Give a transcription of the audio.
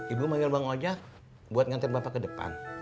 ibu manggil bang ojak buat nganterin bapak ke depan